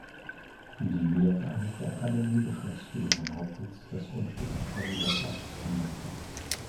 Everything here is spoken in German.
Die wiedervereinigte Akademie beschloss, für ihren Hauptsitz das Grundstück am Pariser Platz zu nutzen.